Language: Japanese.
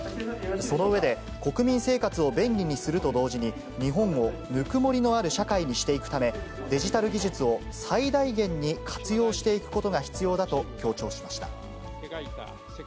その上で、国民生活を便利にすると同時に、日本をぬくもりのある社会にしていくため、デジタル技術を最大限に活用していくことが必要だと強調しました。